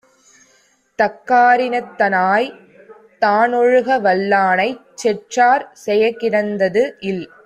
தக்காரினத்தனாய்த் தானொழுக வல்லானைச் செற்றார் செயக்கிடந்தது இல்.